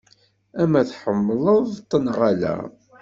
Ama tḥemmleḍ-t neɣ ala.